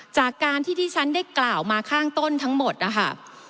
จากการที่ที่ฉันได้กล่าวมาข้างต้นทั้งหมดนะคะ